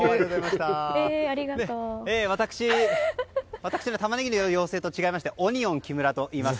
私、タマネギの妖精と違いましてオニオン木村といいます。